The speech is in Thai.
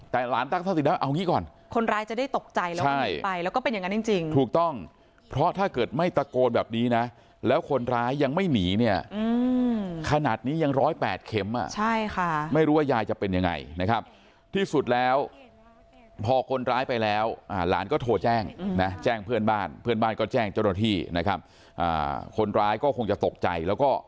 แต่หลานตั้งสติได้ว่าเอางี้ก่อนคนร้ายจะได้ตกใจแล้วก็หนีไปแล้วก็เป็นอย่างนั้นจริงถูกต้องเพราะถ้าเกิดไม่ตะโกนแบบนี้นะแล้วคนร้ายยังไม่หนีเนี่ยขนาดนี้ยัง๑๐๘เข็มอ่ะใช่ค่ะไม่รู้ว่ายายจะเป็นยังไงนะครับที่สุดแล้วพอคนร้ายไปแล้วหลานก็โทรแจ้งนะแจ้งเพื่อนบ้านเพื่อนบ้านก็แจ้งเจ้าหน้าที่นะครับคนร้ายก็คงจะตกใจแล้วก็